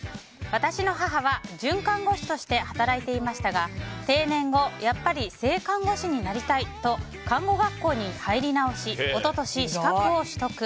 私の母は准看護師として働いていましたが、定年後やっぱり正看護師になりたいと看護学校に入り直し一昨年、資格を取得。